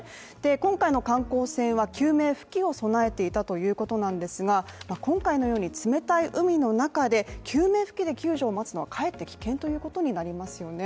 今回の観光船は救命浮器を備えていたということなんですが今回のように冷たい海の中で救命浮器で救助を待つのはかえって危険ということになりますよね。